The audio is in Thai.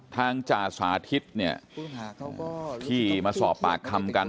จ่าสาธิตเนี่ยที่มาสอบปากคำกัน